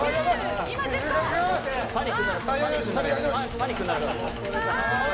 パニックになる。